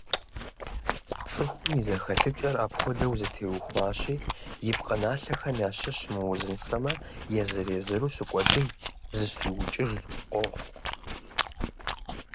ЦӀыхум и зэхэлъыкӀэр апхуэдэу зэтеухуащи, и пкъыналъэхэм ящыщ мыузыншэмэ, езыр-езыру щыкӀуэдыж, «зыщиукӀыж» къохъу.